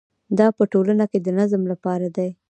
دا په ټولنه کې د نظم لپاره دی.